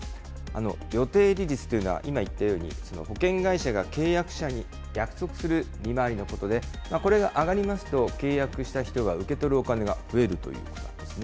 予定利率というのは、今言ったように、保険会社が契約者に約束する利回りのことで、これが上がりますと、契約した人が受け取るお金が増えるということなんですね。